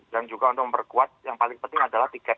dan juga untuk memperkuat yang paling penting adalah tiket